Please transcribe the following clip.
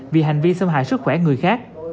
vì hành vi xâm hại sức khỏe người khác